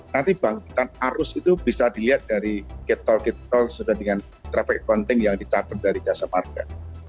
nanti bangkitan arus itu bisa dilihat dari gate toll gate toll sudah dengan traffic accounting yang dicapai dari jasa marka